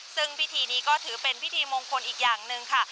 ซึ่งพิธีนี้ก็ถือเป็นพิธีมงคลอีกอย่างหนึ่งค่ะ